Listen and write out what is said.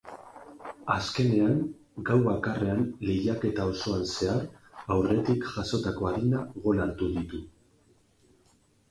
Azkenean, gau bakarrean lehiaketa osoan zehar aurretik jasotako adina gol hartu ditu.